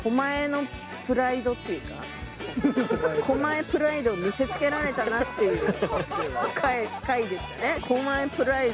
狛江プライドを見せつけられたなっていう。